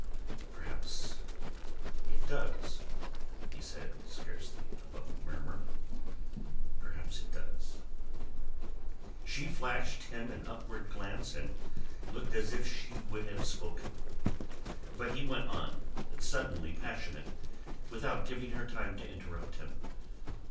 "Perhaps it does," he said, scarcely above a murmur. "Perhaps it does." She flashed him an upward glance and looked as if she would have spoken. But he went on, suddenly passionate, without giving her time to interrupt him.